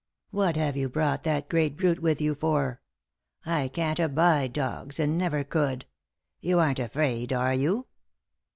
" What have you brought that great brute with you for ? I can't abide dogs, and never could. You aren't afraid, are you